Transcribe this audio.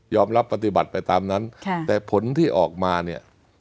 รับปฏิบัติไปตามนั้นแต่ผลที่ออกมาเนี่ย